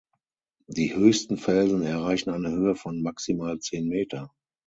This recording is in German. Die höchsten Felsen erreichen eine Höhe von maximal zehn Meter.